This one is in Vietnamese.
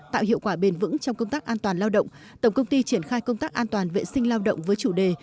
tạo hiệu quả bền vững trong công tác an toàn lao động tổng công ty triển khai công tác an toàn vệ sinh lao động với chủ đề